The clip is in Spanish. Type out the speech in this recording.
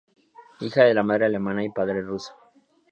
Hija de madre alemana y padre ruso.